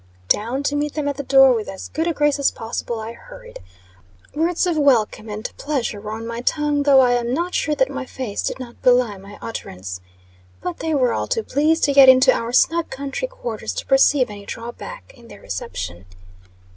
Down to meet them at the door, with as good a grace as possible, I hurried. Words of welcome and pleasure were on my tongue, though I am not sure that my face did not belie my utterance. But, they were all too pleased to get into our snug country quarters, to perceive any drawback in their reception.